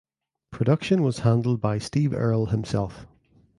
Production was handled by Steve Earle himself.